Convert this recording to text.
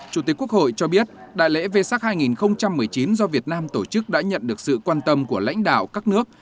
chủ tịch quốc hội cho biết đại lễ v sac hai nghìn một mươi chín do việt nam tổ chức đã nhận được sự quan tâm của lãnh đạo các nước